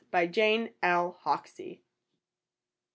BY JANE L. HOXIE.